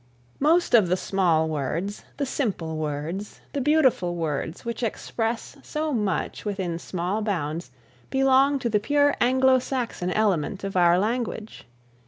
Most of the small words, the simple words, the beautiful words which express so much within small bounds belong to the pure Anglo Saxon element of our language.